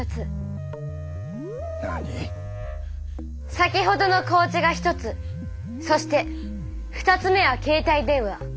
先ほどの紅茶が「１つ」そして「２つ目」は携帯電話。